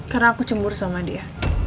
karena aku cemburu sama dia